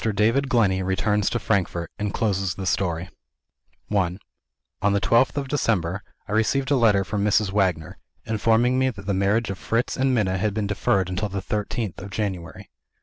DAVID GLENNEY RETURNS TO FRANKFORT, AND CLOSES THE STORY I On the twelfth of December, I received a letter from Mrs. Wagner, informing me that the marriage of Fritz and Minna had been deferred until the thirteenth of January.